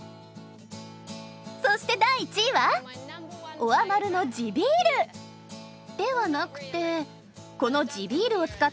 そして第１位はオアマルの地ビール！ではなくてこの地ビールを使ったお料理なんです。